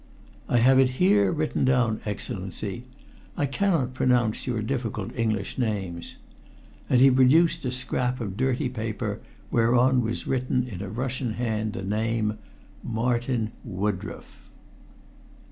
"I have it here written down, Excellency. I cannot pronounce your difficult English names." And he produced a scrap of dirty paper whereon was written in a Russian hand the name "Martin Woodroffe."